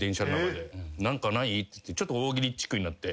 何かない？ってちょっと大喜利チックになって。